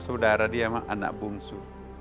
saudara dia memang anak bungsu